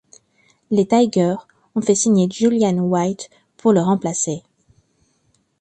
Les Tigers ont fait signer Julian White pour le remplacer.